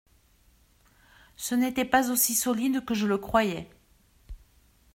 Ce n’était pas aussi solide que je le croyais.